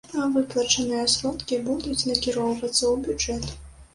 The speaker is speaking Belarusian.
Выплачаныя сродкі будуць накіроўвацца ў бюджэт.